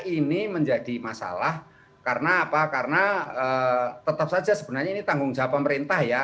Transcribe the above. ini menjadi masalah karena apa karena tetap saja sebenarnya ini tanggung jawab pemerintah ya